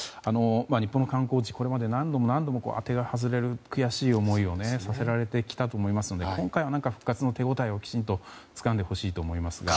日本の観光地はこれまで何度も当てが外れて悔しい思いをさせられてきたと思いますので今回は復活の手応えをきちんとつかんでほしいと思いますが。